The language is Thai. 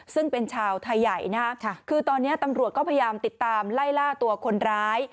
ซึ่งเป็นชาวไทยใหญ่นะฮะคือตอนนี้ตำรวจก็พยายามติดตามไล่ล่าตัวคนร้าย